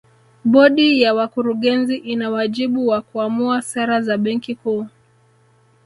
Bodi ya Wakurugenzi ina wajibu wa kuamua sera za Benki Kuu